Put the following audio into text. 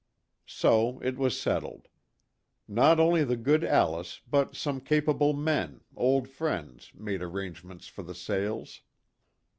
So it was settled. Not only the good Alice but some capable men, old friends, made arrange ments for the sales.